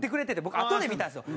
僕あとで見たんですよ。